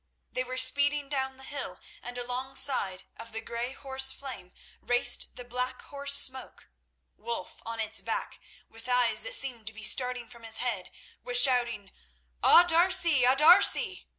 They were speeding down the hill, and alongside of the grey horse Flame raced the black horse Smoke. Wulf on its back, with eyes that seemed to be starting from his head, was shouting, "A D'Arcy! A D'Arcy!"